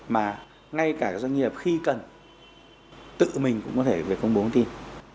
mà ngay cả các doanh nghiệp khi cần tự mình cũng có thể về công bố thông tin